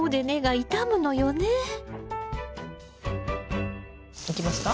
いきますか？